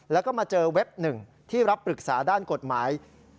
แล้วก็มาเจอเว็บหนึ่งที่รับปรึกษาด้านกฎหมาย